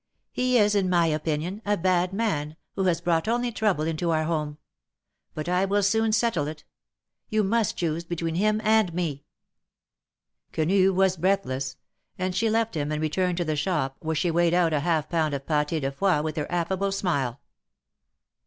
He is, in my opinion, a bad man, who has brought only trouble into our home. But I will soon settle it. You must choose between him and me —" Quenu was breathless, and she left him and returned to the shop, where she weighed out a half pound of pate de foie, with her affable smile.